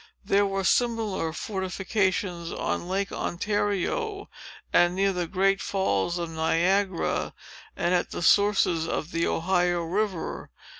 There were similar fortifications on Lake Ontario, and near the great Falls of Niagara, and at the sources of the Ohio River.